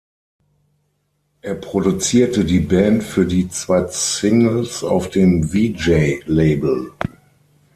Er produzierte die Band für die zwei Singles auf dem Vee Jay Label.